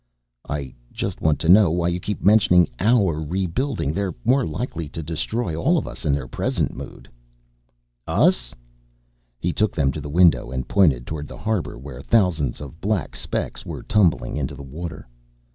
"I just want to know why you keep mentioning our rebuilding. They're more likely to destroy all of us in their present mood." "Us?" He took them to the window and pointed toward the harbor where thousands of black specks were tumbling into the water.